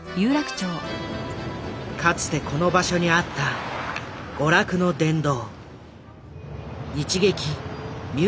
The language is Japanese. かつてこの場所にあった娯楽の殿堂